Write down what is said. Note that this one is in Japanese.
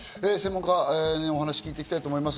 専門家にお話を聞いていきた